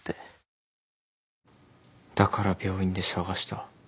だから病院で探した。